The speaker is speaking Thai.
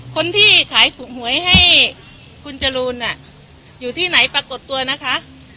คนที่ขายถูกหวยให้คุณจรูนอยู่ที่ไหนปรากฏตัวนะคะ